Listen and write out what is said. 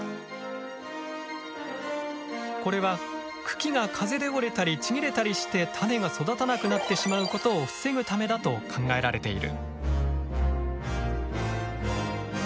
これは茎が風で折れたりちぎれたりして種が育たなくなってしまうことを防ぐためだと考えられている。